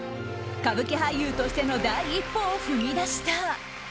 歌舞伎俳優としての第一歩を踏み出した。